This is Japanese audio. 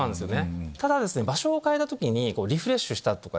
ただ場所を変えた時にリフレッシュしたとかですね